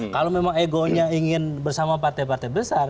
kalau memang egonya ingin bersama partai partai besar